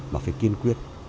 mà phải kiên quyết